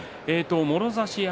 もろ差し。